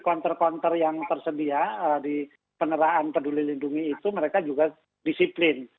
konter konter yang tersedia di peneraan peduli lindungi itu mereka juga disiplin